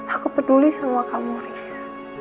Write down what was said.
aku peduli sama kamu rilis